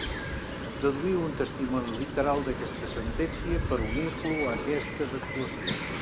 Deduïu un testimoni literal d'aquesta Sentència per unir-lo a aquestes actuacions.